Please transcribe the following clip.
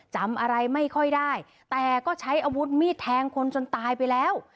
จำอะไรไม่ค่อยได้แต่ก็ใช้อาวุธมีดแทงคนจนตายไปแล้ว